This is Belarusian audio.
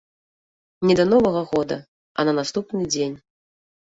Не да новага года, а на наступны дзень.